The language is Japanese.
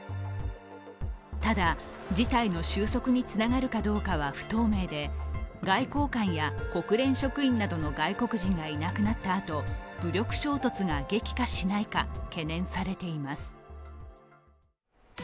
ただ、事態の収束につながるかどうかは不透明で外交官や国連職員などの外国人がいなくなったあと武力衝突が激化しないか、懸念されています。